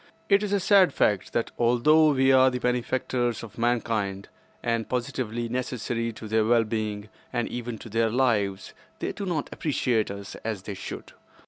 It is a sad fact that although we are the benefactors of mankind, and positively necessary to their well being and even to their lives, they do not appreciate us as they should.